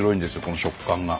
この食感が。